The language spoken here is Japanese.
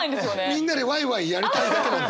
みんなでワイワイやりたいだけなんだ。